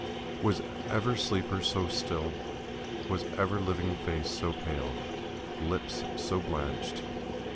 Was ever sleeper so still, was ever living face so pale, lips so blanched?